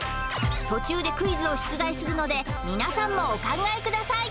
途中でクイズを出題するので皆さんもお考えください